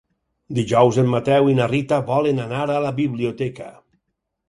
Dijous en Mateu i na Rita volen anar a la biblioteca.